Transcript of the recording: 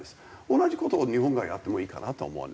同じ事を日本がやってもいいかなとは思う。